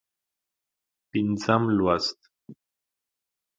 پينځم لوست